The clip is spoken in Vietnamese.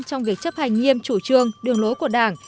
trong việc chấp hành nghiêm chủ trương đường lối của đảng